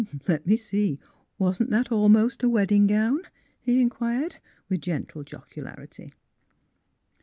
*' Let me see, wasn't that almost a wedding gown? " he inquired, with gentle jocularity.